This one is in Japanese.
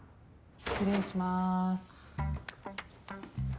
失礼します。